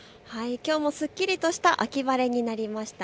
きょうもすっきりとした秋晴れになりました。